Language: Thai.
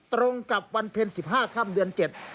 ตรงกับวันเพ็ญ๑๕ค่ำเดือน๗